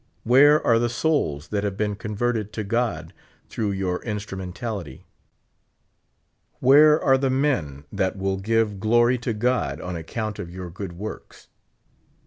Where are the souls that have been converted to God through your instrumentality? Where are the men that will give glory^ to God on account of your good works?